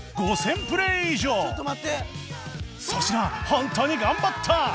本当に頑張った！